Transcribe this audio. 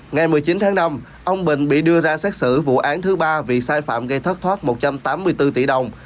ngày một mươi chín tháng năm ông bình bị đưa ra xét xử vụ án thứ ba vì sai phạm gây thất thoát một trăm tám mươi bốn tỷ đồng